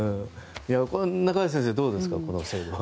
中林先生、どうですか？